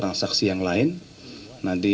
nanti kita akan bisa mendapatkan jaringan yang lain ya